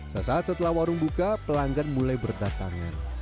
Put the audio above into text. sesaat setelah warung buka pelanggan mulai berdatangan